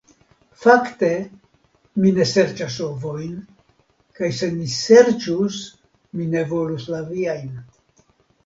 Fakte, mi ne serĉas ovojn; kaj se mi serĉus, mi ne volus la viajn.